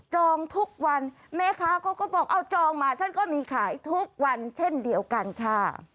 ทุกวันแม่ค้าเขาก็บอกเอาจองมาฉันก็มีขายทุกวันเช่นเดียวกันค่ะ